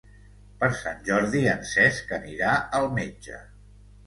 Per Sant Jordi en Cesc anirà al metge.